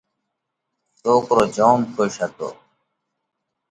سوڪرو جوم کُش هتو۔